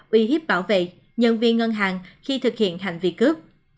uy hiếp bảo vệ nhân viên ngân hàng khi thực hiện hành vi cướp